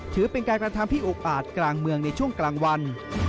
ถือเป็นการกระทำที่อุกอาจกลางเมืองในช่วงกลางวัน